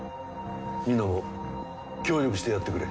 みんなも協力してやってくれ。